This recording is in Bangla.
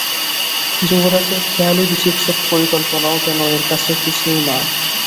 যুবরাজের খেয়ালি বিচিত্র পরিকল্পনাও যেন এর কাছে কিছুই নয়।